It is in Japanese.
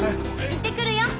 行ってくるよ！